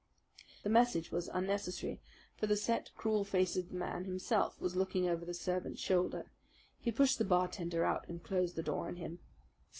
The message was unnecessary; for the set, cruel face of the man himself was looking over the servant's shoulder. He pushed the bartender out and closed the door on him.